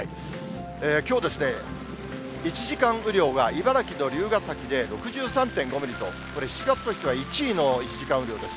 きょう、１時間雨量が、茨城の龍ケ崎で６３．５ミリと、これ、７月としては１位の１時間雨量です。